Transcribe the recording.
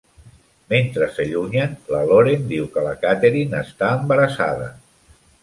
Mentre s'allunyen, la Loren diu que la Katherine està embarassada.